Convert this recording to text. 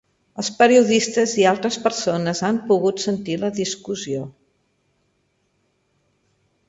Els periodistes i altres persones han pogut sentir la discussió.